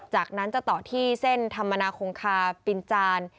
จากนั้นจะต่อที่เส้นธรรมนาคงคาปินจาน